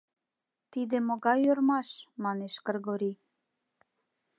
— Тиде могай ӧрмаш? — манеш Кыргорий.